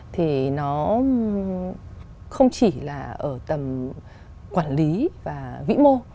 thì nó không chỉ là ở tầm quản lý và vĩ mô